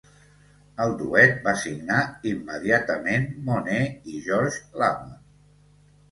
El duet va signar immediatament Monet i George Lamond.